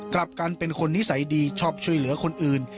กลับกันเป็นคนนิสัยดีชอบช่วยเหลือคนอื่น